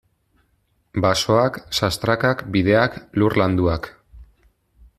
Basoak, sastrakak, bideak, lur landuak.